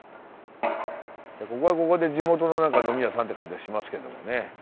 ここはここで地元の何か呑み屋さんって感じはしますけどもね。